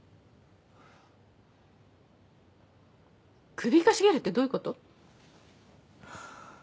首かしげるってどういうこと？